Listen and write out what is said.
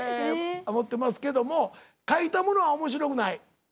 持ってますけども書いたものは面白くない。